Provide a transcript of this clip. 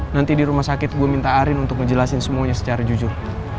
nanti di rumah sakit gue minta arin untuk ngejelasin semuanya secara jujur